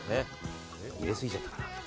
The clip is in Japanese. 入れすぎちゃったかな。